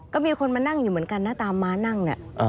ก็มีคนมานั่งอยู่เหมือนกันนะตามม้านั่งเนี่ย